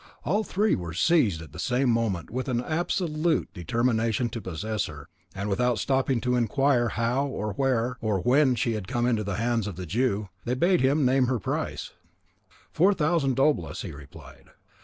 All three were seized at the same moment with an absolute determination to possess her; and without stopping to inquire how, or where, or when, she had come into the hands of the Jew, they bade him name her price. Four thousand doblas, he replied.